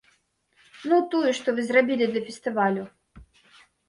Ну, тую, што вы зрабілі для фестывалю?